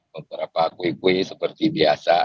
beberapa kue kue seperti biasa